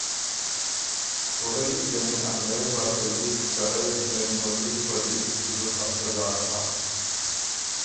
کورئ (انګرېز) لاسته ل دی ته رئ (مسودی) په دِس زُت اسلحۀ زاک هۀ